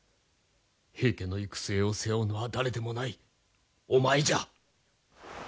平家の行く末を背負うのは誰でもないお前じゃ！